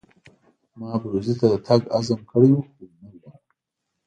ما ابروزي ته د تګ عزم کړی وو خو نه ولاړم.